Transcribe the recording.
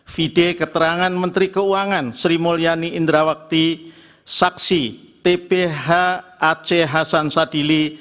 video keterangan menteri keuangan sri mulyani indrawakti saksi tph ac hasan sadili